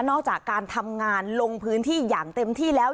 จากการทำงานลงพื้นที่อย่างเต็มที่แล้ว